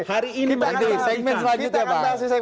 hari ini kita akan bahas segmen selanjutnya bang